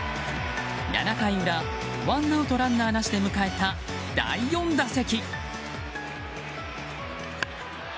７回裏、ワンアウトランナーなしで迎えた第４打席！